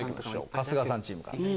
春日さんチームから。